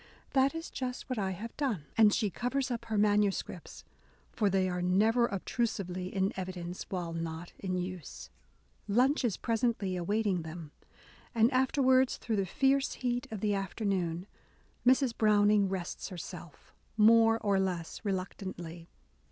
That is just what I have done !" and she covers up her manuscripts, for they are never obtrusively in evidence while not in use. Lunch is presently awaiting them ; and after wards, through the fierce heat of the afternoon, Mrs. Browning rests herself — more or less reluc tantly.